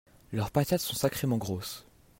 leurs patates sont sacrément grosses.